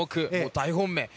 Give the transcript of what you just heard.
大本命。